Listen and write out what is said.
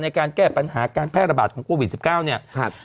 ในการแก้ปัญหาการแพร่ระบาดของโควิด๑๙เนี่ย